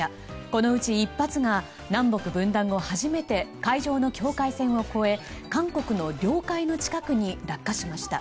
このうち１発が南北分断後初めて海上の境界線を越え韓国の領海の近くに落下しました。